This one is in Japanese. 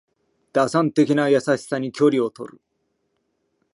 打算的な優しさに距離をとる